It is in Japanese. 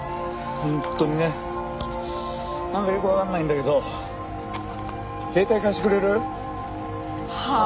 本当にねなんかよくわかんないんだけど携帯貸してくれる？はあ？